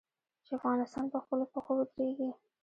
چې افغانستان په خپلو پښو ودریږي.